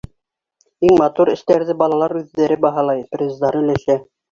Иң матур эштәрҙе балалар үҙҙәре баһалай, приздар өләшә.